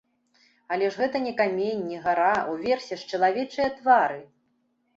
Але ж гэта не камень, не гара, уверсе ж чалавечыя твары!